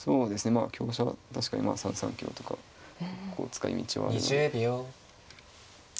まあ香車確かに３三香とか使いみちはあるので。